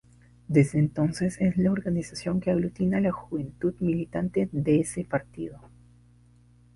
Desde entonces es la organización que aglutina a la juventud militante de ese partido.